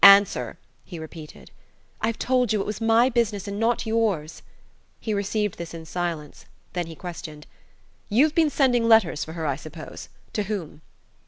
"Answer," he repeated. "I've told you it was my business and not yours." He received this in silence; then he questioned: "You've been sending letters for her, I suppose? To whom?"